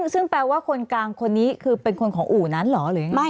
ซึ่งแปลว่าคนกลางคนนี้คือเป็นคนของอู่นั้นเหรอหรือยังไง